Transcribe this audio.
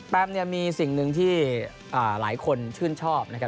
แมมเนี่ยมีสิ่งหนึ่งที่หลายคนชื่นชอบนะครับ